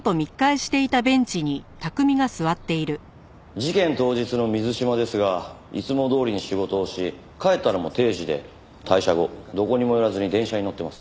事件当日の水島ですがいつもどおりに仕事をし帰ったのも定時で退社後どこにも寄らずに電車に乗ってます。